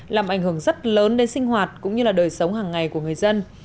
làm ảnh hưởng rất lớn đến sinh hoạt cũng như là đời sống hàng ngày của người dân